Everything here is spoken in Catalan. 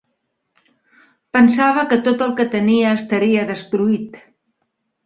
Pensava que tot el que tenia estaria destruït.